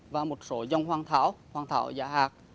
và một số dòng hoang thảo hoang thảo giả hạc